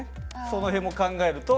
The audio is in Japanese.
その辺も考えると。